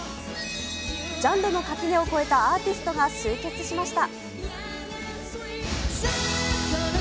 ジャンルの垣根を越えたアーティストが集結しました。